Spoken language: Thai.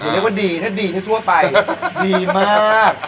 อย่าเรียกว่าดีถ้าดีนี่ทั่วไปดีมาก